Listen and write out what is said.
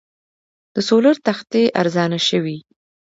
د سولر تختې ارزانه شوي؟